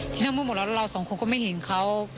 ที่เราพูดหมดแล้วเราสองคนก็ไม่เห็นเขา